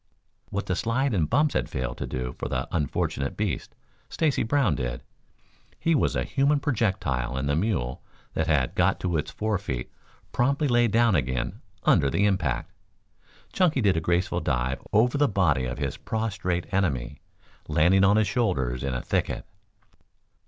What the slide and the bumps had failed to do for the unfortunate beast, Stacy Brown did. He was a human projectile and the mule, that had got to its fore feet, promptly lay down again under the impact. Chunky did a graceful dive over the body of his prostrate enemy, landing on his shoulders in a thicket.